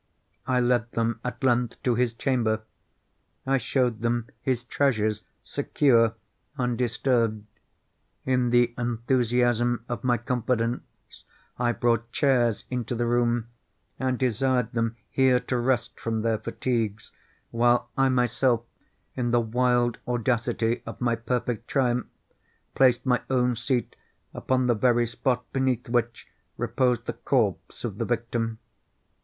I led them, at length, to his chamber. I showed them his treasures, secure, undisturbed. In the enthusiasm of my confidence, I brought chairs into the room, and desired them here to rest from their fatigues, while I myself, in the wild audacity of my perfect triumph, placed my own seat upon the very spot beneath which reposed the corpse of the victim.